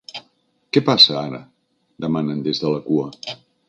Què passa ara? —demanen des de la cua.